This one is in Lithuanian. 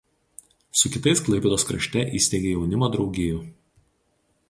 Su kitais Klaipėdos krašte įsteigė jaunimo draugijų.